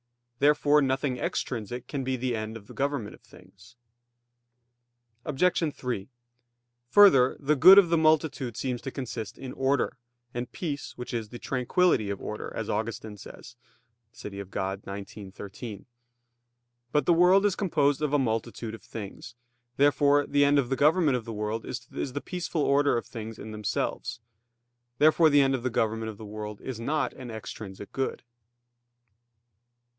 Therefore nothing extrinsic can be the end of the government of things. Obj. 3: Further, the good of the multitude seems to consist in order, and peace which is the "tranquillity of order," as Augustine says (De Civ. Dei xix, 13). But the world is composed of a multitude of things. Therefore the end of the government of the world is the peaceful order in things themselves. Therefore the end of the government of the world is not an extrinsic good.